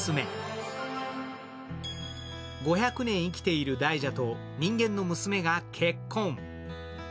５００年生きている大蛇と人間の娘が結婚。